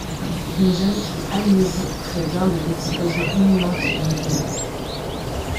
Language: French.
Une jeune fille amnésique prévient de l'explosion imminente d'une bombe.